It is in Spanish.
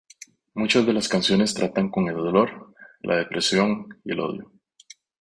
Muchas de las canciones tratan con el dolor, la depresión y el odio.